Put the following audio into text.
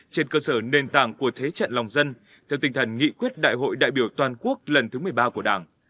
trên cơ sở nền tảng của thế trận lòng dân theo tinh thần nghị quyết đại hội đại biểu toàn quốc lần thứ một mươi ba của đảng